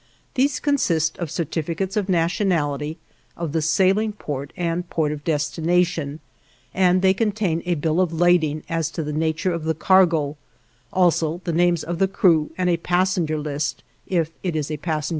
These consist in certificates of nationality, of the sailing port, and port of destination, and they contain a bill of lading as to the nature of the cargo, also the names of the crew and a passenger list if it is a passenger steamer.